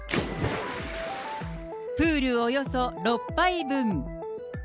プールおよそ６杯分。